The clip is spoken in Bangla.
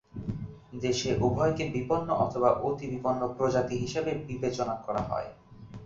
দেশে উভয়কে বিপন্ন অথবা অতি বিপন্ন প্রজাতি হিসেবে বিবেচনা করা হয়।